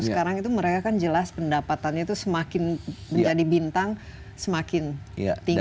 sekarang itu mereka kan jelas pendapatannya itu semakin menjadi bintang semakin tinggi